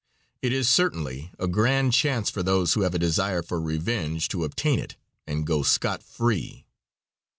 It is, certainly, a grand chance for those who have a desire for revenge to obtain it and go scot free.